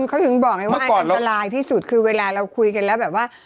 เขาถึงบอกไงว่าอันตรายที่สุดคือเวลาเราคุยกันแล้วแบบว่า